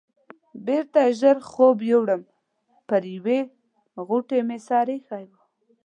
بېرته ژر خوب یووړم، پر یوې غوټې مې سر ایښی و.